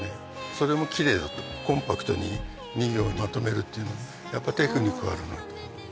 それも綺麗だとコンパクトに２行にまとめるっていうのやっぱテクニックあるなと。